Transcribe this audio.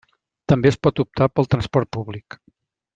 També es pot optar pel transport públic.